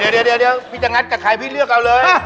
เดี๋ยวพี่จะงัดกับใครพี่เลือกเอาเลย